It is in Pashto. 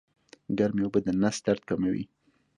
ګرمې اوبه د نس درد کموي